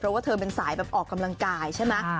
เพราะว่าเธอเป็นสายแบบออกกำลังกายใช่ไหม